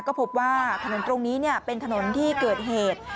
ก็พบว่าถนนตรงนี้เป็นถนนที่เกิดเหตุ